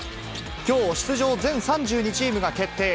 きょう、出場全３２チームが決定。